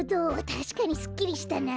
たしかにすっきりしたな。